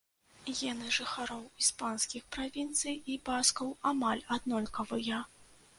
Гены жыхароў іспанскіх правінцый і баскаў амаль аднолькавыя.